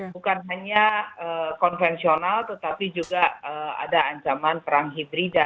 bukan hanya konvensional tetapi juga ada ancaman perang hidrida